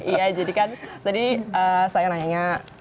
iya jadi kan tadi saya nanya